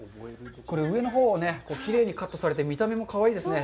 これ上のほうをきれいにカットされて見た目もかわいいですね。